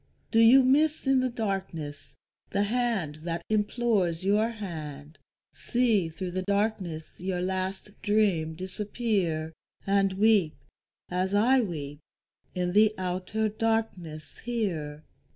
Do you miss in the darkness the hand that implores your hand, See through the darkness your last dream disappear, And weep, as I weep, in the outer darkness here?